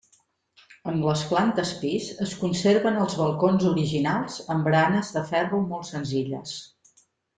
En les plantes pis es conserven els balcons originals amb baranes de ferro molt senzilles.